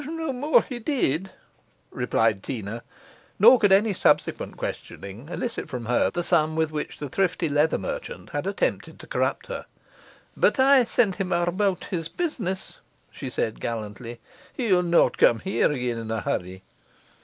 'No more he did,' replied Teena; nor could any subsequent questioning elicit from her the sum with which the thrifty leather merchant had attempted to corrupt her. 'But I sent him about his business,' she said gallantly. 'He'll not come here again in a hurry.